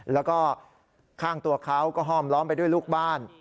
แล้วก็ข้างตัวเขาก็ห้อมล้อมไปด้วยลูกบ้าน